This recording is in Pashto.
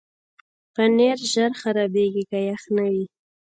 پنېر ژر خرابېږي که یخ نه وي.